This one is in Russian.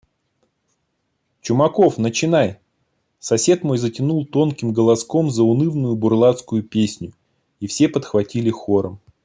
Чумаков! начинай!» – Сосед мой затянул тонким голоском заунывную бурлацкую песню, и все подхватили хором: